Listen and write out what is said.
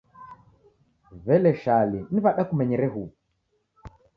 W'ele Shali ni w'ada kumenyere huw'u?